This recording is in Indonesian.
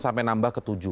sampai nambah ke tujuh